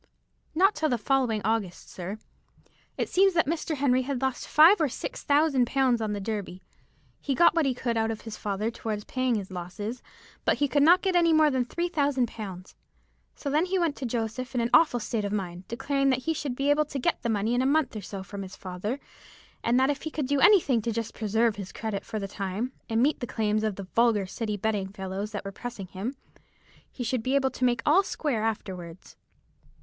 "Not till the following August, sir. It seems that Mr. Henry had lost five or six thousand pounds on the Derby. He got what he could out of his father towards paying his losses, but he could not get more than three thousand pounds; so then he went to Joseph in an awful state of mind, declaring that he should be able to get the money in a month or so from his father, and that if he could do anything just to preserve his credit for the time, and meet the claims of the vulgar City betting fellows who were pressing him, he should be able to make all square afterwards.